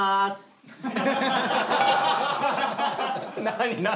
何⁉何？